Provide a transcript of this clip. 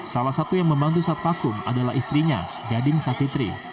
salah satu yang membantu saat vakum adalah istrinya gading sapitri